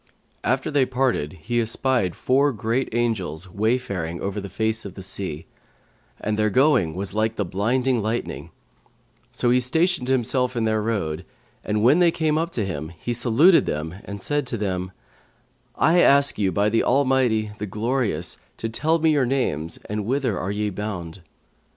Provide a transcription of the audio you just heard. After they parted he espied four great Angels wayfaring over the face of the sea, and their going was like the blinding lightning; so he stationed himself in their road, and when they came up to him, he saluted them and said to them, 'I ask you by the Almighty, the Glorious, to tell me your names and whither are ye bound?'